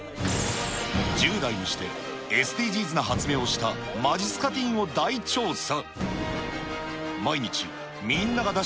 １０代にしてＳＤＧｓな発明をしたまじっすかティーンを大調査。